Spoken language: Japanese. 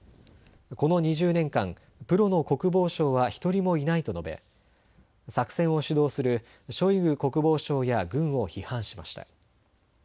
この２０年間、プロの国防相は１人もいないと述べ作戦を主導するショイグ国防相や軍を批判しました。